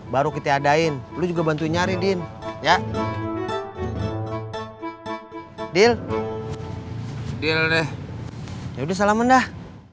baru kita adain lu juga bantu nyari din ya deal deal deh ya udah salaman dah